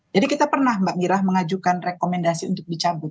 jadi kita pernah mbak mira mengajukan rekomendasi untuk dicabut